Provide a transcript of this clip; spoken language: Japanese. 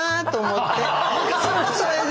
それで。